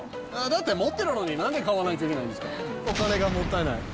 だって、持ってるのになんで買わないといけないんですか。